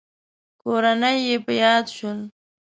کورنۍ يې په ياد شول.